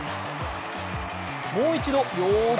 もう一度よーく